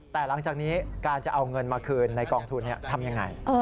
แต่หลังจากนี้การจะเอาเงินมาคืนในกองทุนทำยังไง